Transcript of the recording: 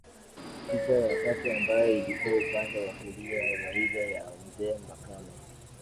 Picha ya tatu ambayo ilikuwa upande wa kulia wa ile ya mzee makame